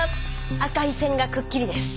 赤い線がくっきりです。